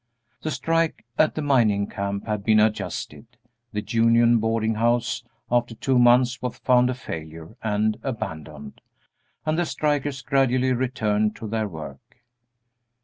The strike at the mining camp had been adjusted; the union boarding house after two months was found a failure and abandoned, and the strikers gradually returned to their work.